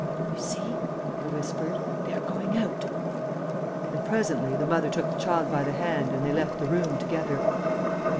"You see," I whispered, "they are going out." And presently the mother took the child by the hand and they left the room together.